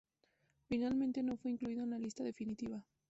Finalmente no fue incluido en la lista definitiva.